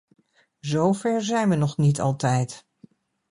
Zo ver zijn we nog niet altijd.